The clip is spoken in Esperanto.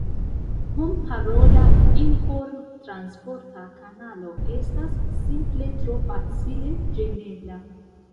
Homparola informtransporta kanalo estas simple tro facile ĝenebla.